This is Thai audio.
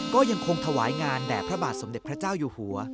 ก็ยังคงถวายงานแด่พระบาทสมเด็จพระเจ้าอยู่หัว